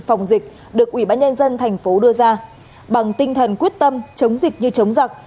phòng dịch được ủy ban nhân dân thành phố đưa ra bằng tinh thần quyết tâm chống dịch như chống giặc